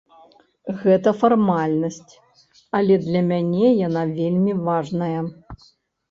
Гэта фармальнасць, але для мяне яна вельмі важная.